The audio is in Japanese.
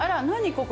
ここ。